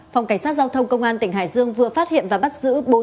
phòng cảnh sát giao thông công an tỉnh hải dương vừa phát hiện và bắt giữ